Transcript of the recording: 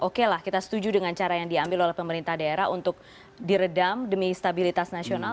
oke lah kita setuju dengan cara yang diambil oleh pemerintah daerah untuk diredam demi stabilitas nasional